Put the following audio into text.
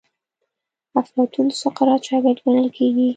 افلاطون د سقراط شاګرد ګڼل کیږي.